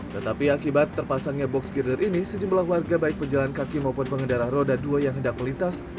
tetapi akibat terpasangnya box girder ini sejumlah warga baik pejalan kaki maupun pengendara roda dua yang hendak melintas